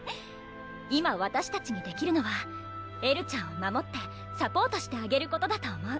今わたしたちにできるのはエルちゃんを守ってサポートしてあげることだと思う